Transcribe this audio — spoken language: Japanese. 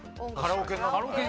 カラオケ。